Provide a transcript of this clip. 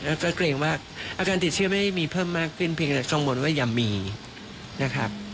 แล้วก็เกรงว่าอาการติดเชื้อไม่ได้มีเพิ่มมากขึ้นเพียงแต่กังวลว่าอย่ามีนะครับ